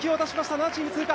７チーム通過。